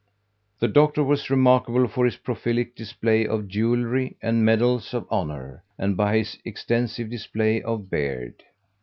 The Doctor was remarkable for his prolific display of jewelry and medals of honor, and by his extensive display of beard.